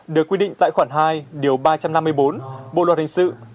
được quyết định tại khoản hai điều ba trăm năm mươi bốn bộ loạt hình sự